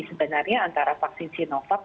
sebenarnya antara vaksin sinovac